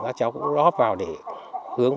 các cháu cũng góp vào để hướng